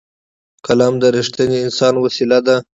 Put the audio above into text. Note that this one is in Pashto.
قلم د رښتیني انسان وسېله ده